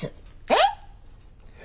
えっ？